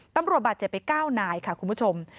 ตำรวจบาดเจ็บไป๙นายค่ะคุณผู้ชม